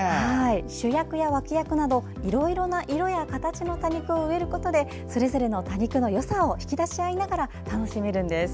主役や脇役などいろいろな色や形の多肉を植えることでそれぞれの多肉のよさを引き出し合いながら楽しめるんです。